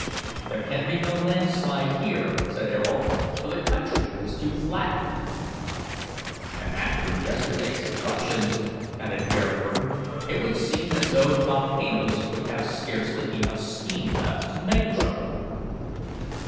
"There can be no land slide here," said Ayrault, for the country is too flat." "And after yesterday's eruptions," added Bearwarden, "it would seem as though the volcanoes could have scarcely enough steam left to make trouble."